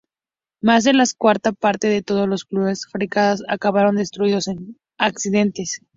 Más de la cuarta parte de todos los Cutlass fabricados acabaron destruidos en accidentes.